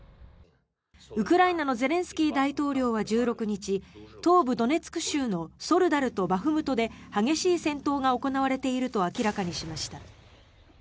ウクライナのゼレンスキー大統領は１６日東部ドネツク州のソルダルとバフムトで激しい戦闘が行われていると明らかにしました。